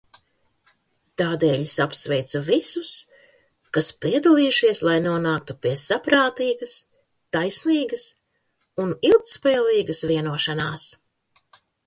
Tādēļ es apsveicu visus, kas piedalījušies, lai nonāktu pie saprātīgas, taisnīgas un ilgtspējīgas vienošanās.